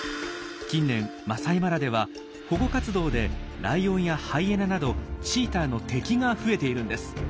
近年マサイマラでは保護活動でライオンやハイエナなどチーターの敵が増えているんです。